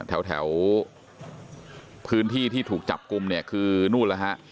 แถวพื้นที่ที่ถูกจับกลุ่มเนี่ยคือนู่นแล้วฮะ